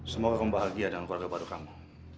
semoga kamu bahagia dengan keluarga baru kamu